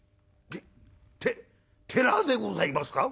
「てて寺でございますか？」。